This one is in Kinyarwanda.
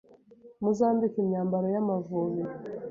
muzambike imyambaro y'Amavubi